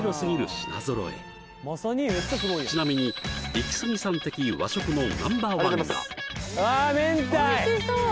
品揃えちなみにイキスギさん的和食のナンバー１があ明太！